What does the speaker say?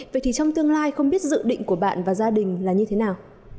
vậy thì trong tương lai không biết dự định của bạn và gia đình là như thế nào